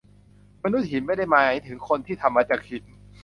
มนุษย์หิน ไม่ได้หมายถึงคนที่ทำมาจากหิน